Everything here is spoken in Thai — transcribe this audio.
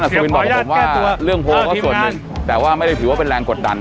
สุวินบอกกับผมว่าเรื่องโพลก็ส่วนหนึ่งแต่ว่าไม่ได้ถือว่าเป็นแรงกดดัน